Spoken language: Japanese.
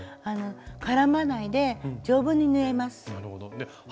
絡まないで丈夫に縫えます。